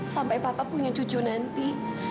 sampai bapak punya cucu nanti